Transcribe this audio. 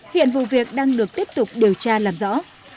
hiện vụ việc đang được tiếp tục điều tra làm rõ